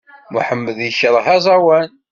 Muḥemmed yekṛeh aẓawan!